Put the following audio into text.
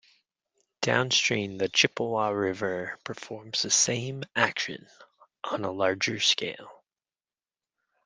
Downstream the Chippewa River performs the same action on a larger scale.